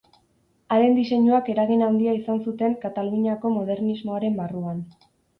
Haren diseinuak eragin handia izan zuten Kataluniako modernismoaren barruan.